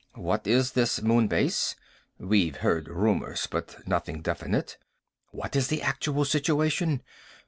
"What is this Moon Base? We've heard rumors, but nothing definite. What is the actual situation?